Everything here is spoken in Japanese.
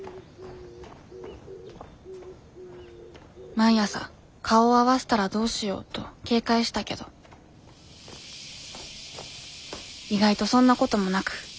毎朝顔を合わせたらどうしようと警戒したけど意外とそんなこともなく時は過ぎていった。